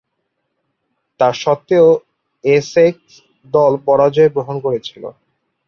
তাসত্ত্বেও, Essex দল পরাজয়বরণ করেছিল।